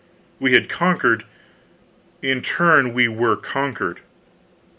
We had conquered; in turn we were conquered.